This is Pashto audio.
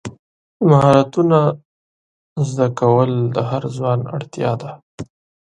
مهارتونه زده کول د هر ځوان اړتیا ده.